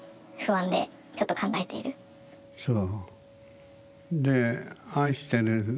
そう。